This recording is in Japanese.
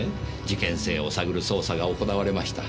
事件性を探る捜査が行われました。